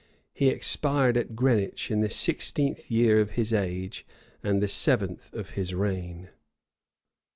He expired at Greenwich, in the sixteenth year of his age, and the seventh of his reign.